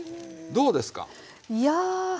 どうですか？